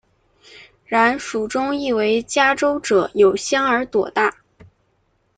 然蜀中亦为嘉州者有香而朵大。